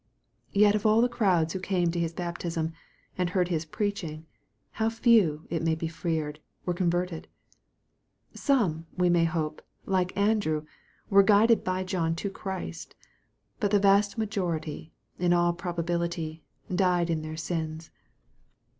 Yet of all the crowds who came to his baptism, and heard his preaching, how few, it may be feared, were converted ! Some, we may hope, like Andrew, were guided by John to Christ. But the vast majority, in all probability, died in their sins.